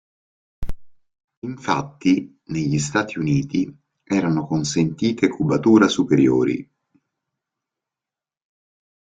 Infatti, negli Stati Uniti, erano consentite cubatura superiori.